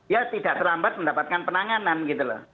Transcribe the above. ya tidak terlambat mendapatkan penanganan gitu loh